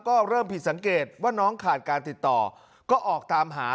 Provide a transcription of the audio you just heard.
ก็เริ่มผิดสังเกตว่าน้องขาดการติดต่อก็ออกตามหา